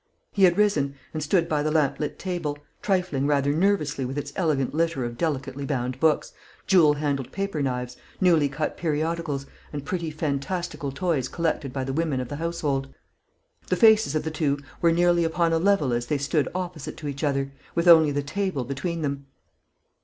He had risen, and stood by the lamp lit table, trifling rather nervously with its elegant litter of delicately bound books, jewel handled paper knives, newly cut periodicals, and pretty fantastical toys collected by the women of the household. The faces of the two were nearly upon a level as they stood opposite to each other, with only the table between them.